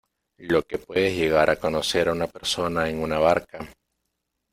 lo que puedes llegar a conocer a una persona en una barca